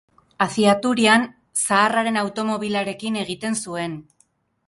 Haciaturian zaharraren automobilarekin egiten zuen!